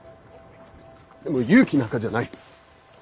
でも勇気なんかじゃない。